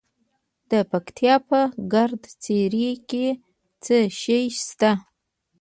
د پکتیا په ګرده څیړۍ کې څه شی شته؟